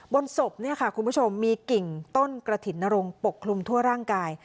ศพเนี่ยค่ะคุณผู้ชมมีกิ่งต้นกระถิ่นนรงปกคลุมทั่วร่างกาย